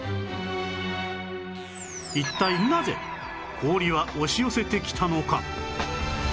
一体なぜ氷は押し寄せてきたのか？